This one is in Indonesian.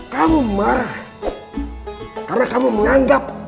kamu marah karena kami menganggap